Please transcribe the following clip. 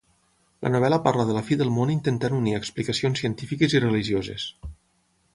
La novel·la parla de la fi del món intentant unir explicacions científiques i religioses.